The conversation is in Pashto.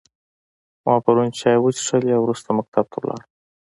ما پرون چای وچیښلی او وروسته مکتب ته ولاړم